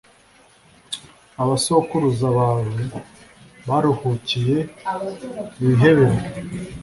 abasokuruza bawe baruhukiye, wihebere